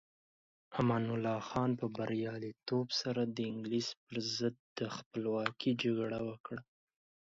امان الله خان په بریالیتوب سره د انګلستان پر ضد د خپلواکۍ جګړه وکړه.